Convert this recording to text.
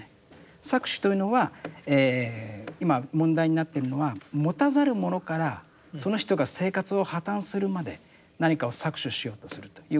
搾取というのは今問題になってるのは持たざる者からその人が生活を破綻するまで何かを搾取しようとするということですよね。